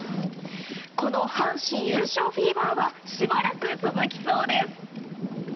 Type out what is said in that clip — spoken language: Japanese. この阪神優勝フィーバーはしばらく続きそうです。